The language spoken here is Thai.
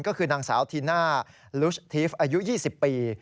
ก็คือนางสาวทีน่าลุชทีฟอายุ๒๐ปี